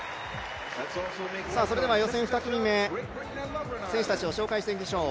予選２組目、選手たちを紹介してきましょう。